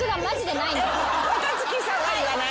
若槻さんは言わない？